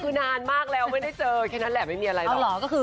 คือนานมากแล้วไม่ได้เจอแค่นั้นแหละไม่มีอะไรหรอก